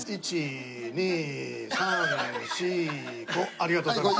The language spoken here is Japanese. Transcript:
ありがとうございます。